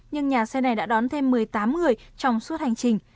nhưng nhà xe này đã đón thêm một mươi tám người trong suốt hành trình